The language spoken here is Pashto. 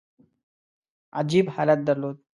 عجیب حالت درلود.